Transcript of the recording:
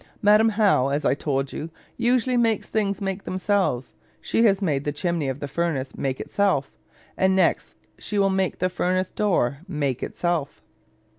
Madam How, as I told you, usually makes things make themselves. She has made the chimney of the furnace make itself; and next she will make the furnace door make itself.